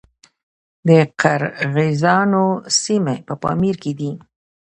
د قرغیزانو سیمې په پامیر کې دي